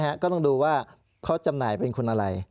ก็ต้องดูว่าเขาจำหน่ายเป็นคนอะไร